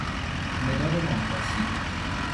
مداد نقاشی